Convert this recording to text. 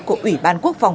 của ủy ban quốc phòng